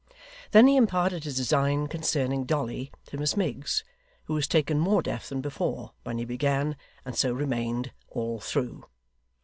Then he imparted his design concerning Dolly to Miss Miggs, who was taken more deaf than before, when he began; and so remained, all through.